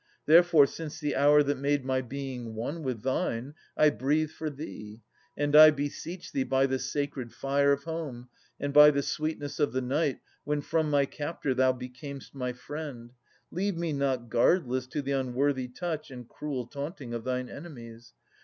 Therefore, since the hour that made My being one with thine, I breathe for thee ; And I beseech thee by the sacred fire Of home, and by the sweetness of the night When from my captor thou becam'st my friend, Leave me not guardless to the unworthy touch And cruel taunting of thine enemies